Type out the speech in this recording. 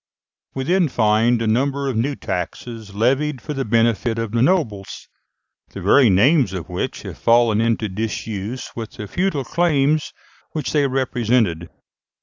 We then find a number of new taxes levied for the benefit of the nobles, the very names of which have fallen into disuse with the feudal claims which they represented.